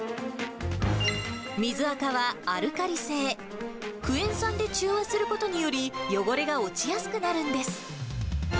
水あかはアルカリ性、クエン酸で中和することにより、汚れが落ちやすくなるんです。